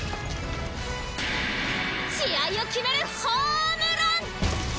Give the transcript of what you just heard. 試合を決めるホームラン！